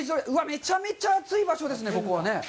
めちゃめちゃ暑い場所ですね、ここは。